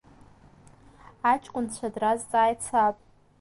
Аҷкәынцәа дразҵааит саб.